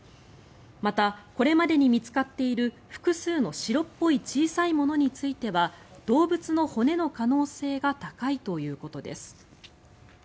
また、これまでに見つかっている複数の白っぽい小さいものについては動物の骨の可能性が高いということです。